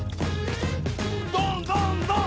どんどんどん！